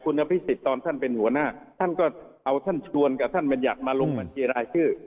คุณอภิษฎตอนท่านเป็นหัวหน้าท่านก็เอาท่านชวนกับท่านบัญญัติมาลงบัญชีรายชื่อ